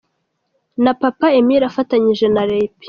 Na Papa Emile afatanyije na Ray P.